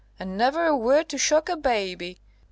And never a word to shock a baby!